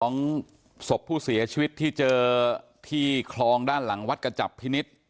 ของศพผู้เสียชีวิตที่เจอที่คลองด้านหลังวัดกระจับพินิษฐ์